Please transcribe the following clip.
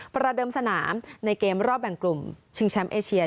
ประเดิมสนามในเกมรอบแบ่งกลุ่มชิงแชมป์เอเชีย